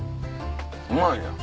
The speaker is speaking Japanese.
うまいやん。